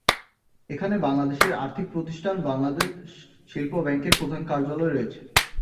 এখানে বাংলাদেশের আর্থিক প্রতিষ্ঠান বাংলাদেশ শিল্প ব্যাংকের প্রধান কার্যালয় রয়েছে।